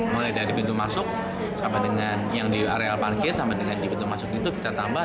mulai dari pintu masuk sampai dengan yang di areal parkir sampai dengan di pintu masuk itu kita tambah